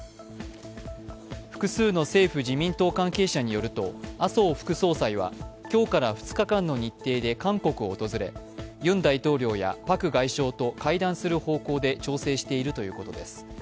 複数の政府・自民党関係者によると麻生副総裁は今日から２日間の日程で韓国を訪れ、ユン大統領やパク外相と会談する方向で調整しているということです。